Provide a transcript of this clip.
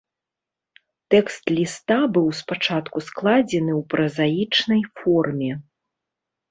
Тэкст ліста быў спачатку складзены ў празаічнай форме.